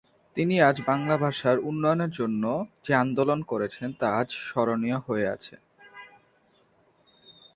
তিনি বাংলা ভাষার উন্নয়নের জন্য যে আন্দোলন করেছেন তা আজ স্মরণীয় হয়ে আছে।